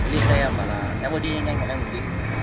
đi xe bảo là em ơi đi nhanh anh em một tí